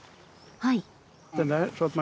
はい。